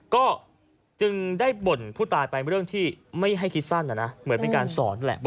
ก็จึงได้บ่นผู้ตายไปเรื่องที่ไม่ให้คิดสั้นเหมือนเป็นการสอนแหละ